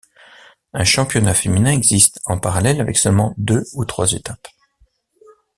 Un championnat féminin existe en parallèle avec seulement deux ou trois étapes.